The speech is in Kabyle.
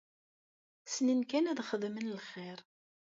Ssnen kan ad xedmen lxir.